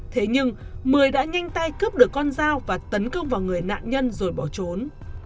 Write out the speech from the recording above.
thế nhưng mười đã nhanh tay cướp được con dao và tấn công vào người nạn nhân rồi bỏ trốn